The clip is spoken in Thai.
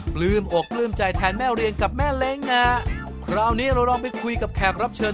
ปลื้มอกปลื้มใจแทนแม่เรียนกับแม่เล้งนะฮะคราวนี้เราลองไปคุยกับแขกรับเชิญ